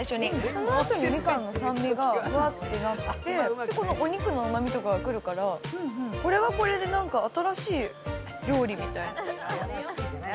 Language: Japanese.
そのあとにみかんの酸味がふわっとなってこのお肉のうまみとかがくるからこれはこれで、なんか新しい料理みたいな。